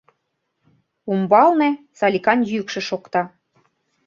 Умбалне Саликан йӱкшӧ шокта.